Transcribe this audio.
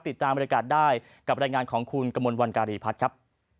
ติดตามบริการได้กับรายงานของคุณกมลวันการีพัฒน์ครับ